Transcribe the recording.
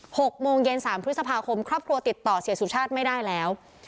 หกโมงเย็นสามพฤษภาคมครอบครัวติดต่อเสียสุชาติไม่ได้แล้ว